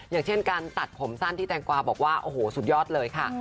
อย่างเช่นการตัดผมสั้นที่แตงกวาบอกว่าโอ้โหสุดยอดเลยค่ะ